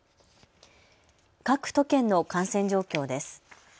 各都県の感染状況です。